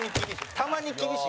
たまに厳しい。